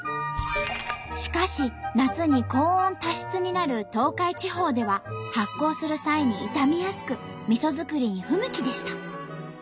しかし夏に高温多湿になる東海地方では発酵する際に傷みやすくみそ作りに不向きでした。